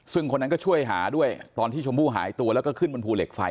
ซึ่งคนนั้นก็ช่วยหาด้วยตอนที่ชมพู่หายตัวแล้วก็ขึ้นบนภูเหล็กไฟ